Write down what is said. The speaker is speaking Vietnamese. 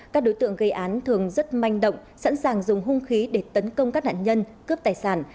các đối tượng gây án thường rất manh động sẵn sàng dùng hung khí để tấn công các nạn nhân cướp tài sản